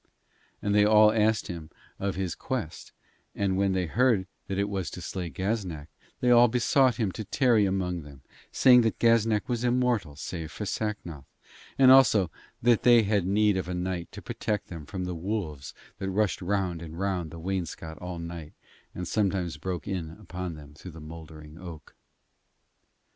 And they all asked him of his quest, and when they heard that it was to slay Gaznak, they all besought him to tarry among them, saying that Gaznak was immortal, save for Sacnoth, and also that they had need of a knight to protect them from the wolves that rushed round and round the wainscot all the night and sometimes broke in upon them through the mouldering oak.